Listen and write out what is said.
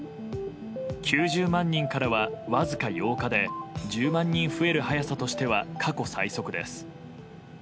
９０万人からはわずか８日で１０万人増える早さとしては過去最速です。